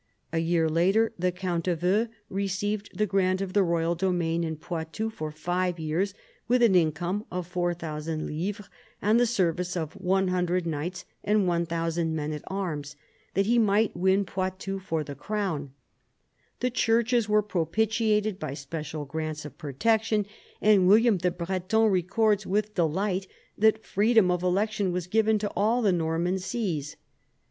A year later the count of Eu received the grant of the royal domain in Poitou for five years, with an income of 4000 livres, and the service of 100 knights and 1000 men at arms, that he might win Poitou for the crown. The churches were propitiated by special grants of protection, and William the Breton records with de light that freedom of election was given to all the Norman sees.